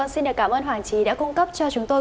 xin được cảm ơn hoàng trí đã cung cấp cho chúng tôi